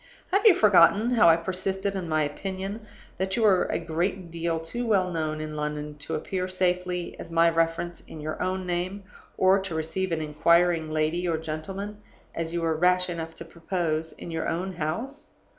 Have you forgotten how I persisted in my opinion that you were a great deal too well known in London to appear safely as my reference in your own name, or to receive an inquiring lady or gentleman (as you were rash enough to propose) in your own house?